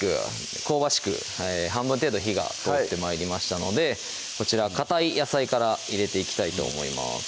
香ばしく半分程度火が通って参りましたのでこちらかたい野菜から入れていきたいと思います